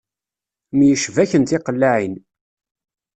Myecbaken tiqellaɛin.